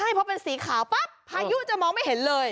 ใช่พอเป็นสีขาวปั๊บพายุจะมองไม่เห็นเลย